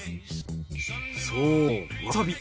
そうわさび。